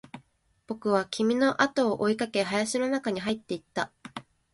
僕は君のあとを追いかけ、林の中に入っていった